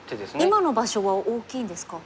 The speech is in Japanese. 今の場所は大きいんですか？